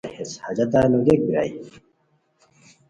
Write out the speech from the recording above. ہیس حاجتہ نو گیاگ بیرائے